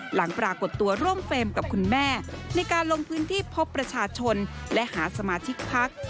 ปรากฏตัวร่วมเฟรมกับคุณแม่ในการลงพื้นที่พบประชาชนและหาสมาชิกพัก